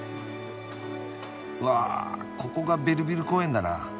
わここがベルヴィル公園だな。